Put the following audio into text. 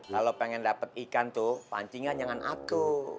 kalau pengen dapet ikan tuh pancingan jangan atuh